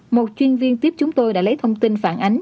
một chuyên viên tiếp chúng tôi đã lấy thông tin phản ánh